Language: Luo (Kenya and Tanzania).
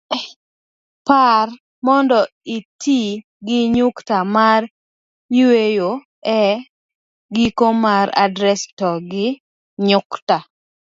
pa mondo iti gi nyukta mar yueyo e giko mar adres, to gi nukta